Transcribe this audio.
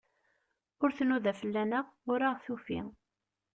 Ur tnuda fell-aneɣ, ur aɣ-tufi.